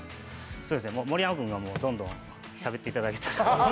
そうですね、盛山君がどんどんしゃべっていただけたら。